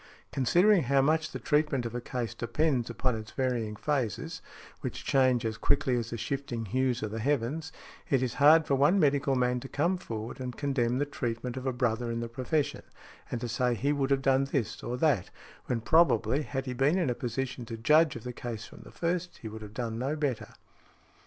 Considering how much the treatment of a case depends upon its varying phases, which change as quickly as the shifting hues of the heavens, it is hard for one medical man to come forward and condemn the treatment of a brother in the profession, and to say he would have done this or that, when probably, had he been in a position to judge of the case from the first, he would have done no better .